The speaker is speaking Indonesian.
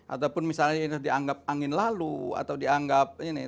ataupun misalnya ini dianggap angin lalu atau dianggap ini